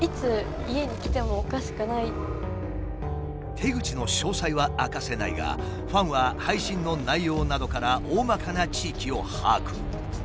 手口の詳細は明かせないがファンは配信の内容などからおおまかな地域を把握。